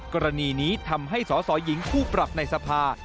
กรณีนี้ทำให้สสหญิงคู่ปรับในสภา